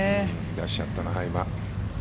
出しちゃったな、今。